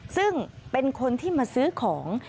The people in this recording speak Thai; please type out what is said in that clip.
ซึ่งเป็นคนที่มาซื้อของ